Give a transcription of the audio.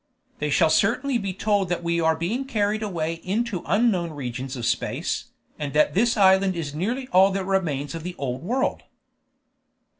They shall certainly be told that we are being carried away into unknown regions of space, and that this island is nearly all that remains of the Old World."